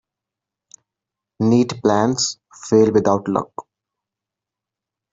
Neat plans fail without luck.